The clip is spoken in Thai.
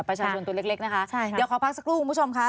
ประชาชนตัวเล็กนะฮะ